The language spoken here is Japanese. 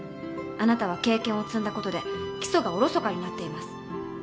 あなたは経験を積んだことで基礎がおろそかになっています。